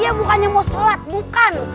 ya bukannya mau sholat bukan